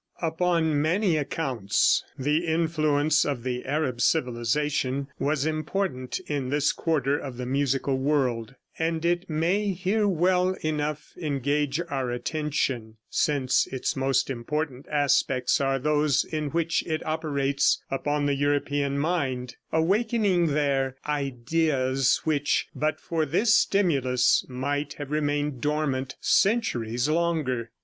Upon many accounts the influence of the Arab civilization was important in this quarter of the musical world, and it may here well enough engage our attention, since its most important aspects are those in which it operates upon the European mind, awakening there ideas which but for this stimulus might have remained dormant centuries longer.